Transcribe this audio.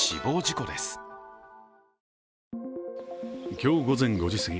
今日午前５時すぎ